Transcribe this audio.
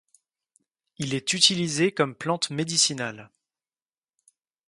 Il est utilisé comme plante médicinale.